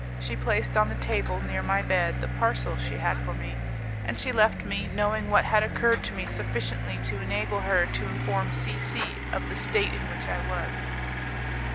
She placed on the table, near my bed, the parcel she had for me, and she left me, knowing what had occurred to me sufficiently to enable her to inform C C of the state in which I was.